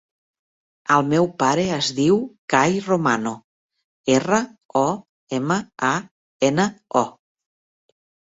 El meu pare es diu Kai Romano: erra, o, ema, a, ena, o.